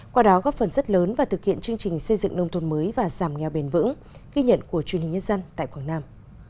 qua đó góp phần rất lớn và thực hiện chương trình xây dựng nông thôn mới và giảm nghèo bền vững ghi nhận của truyền hình nhân dân tại quảng nam